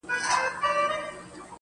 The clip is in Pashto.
نه مي قهوې بې خوبي يو وړه نه ترخو شرابو.